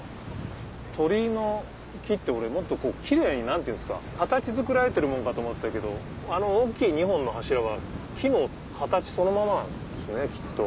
鳥居の木って俺もっとキレイに形作られてるもんかと思ったけどあの大きい２本の柱は木の形そのままなんですねきっと。